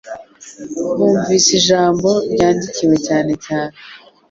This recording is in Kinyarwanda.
Bumvise ijambo ryandikiwe cyane cyane.